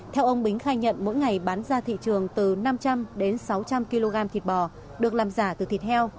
theo ông bính khai nhận mỗi ngày bán ra thị trường từ năm trăm linh đến sáu trăm linh kg thịt bò được làm giả từ thịt heo